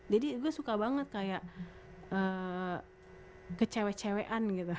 jadi gue suka banget kayak kecewe cewean gitu